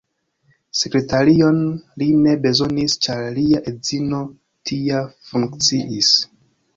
Sekretarion li ne bezonis, ĉar lia edzino tia funkciis.